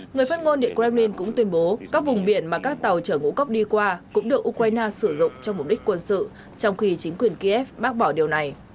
người phát ngôn điện kremlin cũng tuyên bố các vùng biển mà các tàu chở ngũ cốc đi qua cũng được ukraine sử dụng trong mục đích quân sự trong khi chính quyền kiev bác bỏ điều này